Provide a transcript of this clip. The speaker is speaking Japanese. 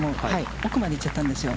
奥まで行っちゃったんですよ。